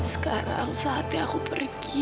sekarang saatnya aku pergi